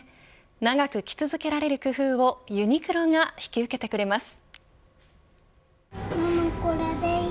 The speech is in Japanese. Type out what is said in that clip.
長く着続けられる工夫をユニクロが引き受けてくれます。